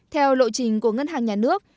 trong quá trình của ngân hàng nhà nước